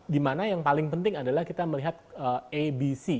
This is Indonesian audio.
di mana yang paling penting adalah kita melihat abc